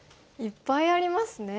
いっぱいありますね。